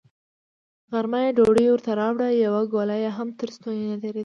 غرمه يې ډوډۍ ورته راوړه، يوه ګوله يې هم تر ستوني نه تېرېده.